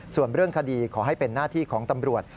ส่วนเรื่องคดีขอให้เป็นหน้าที่ของตำรวจ